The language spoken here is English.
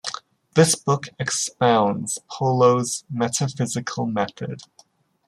This book expounds Polo's metaphysical method.